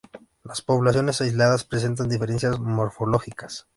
Las poblaciones aisladas presentan diferencias morfológicas.